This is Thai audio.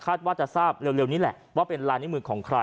ว่าจะทราบเร็วนี้แหละว่าเป็นลายนิ้วมือของใคร